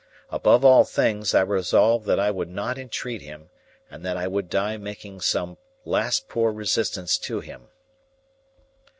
Above all things, I resolved that I would not entreat him, and that I would die making some last poor resistance to him.